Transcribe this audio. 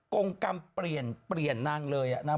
กรงกรรมเปลี่ยนเปลี่ยนนางเลยนะ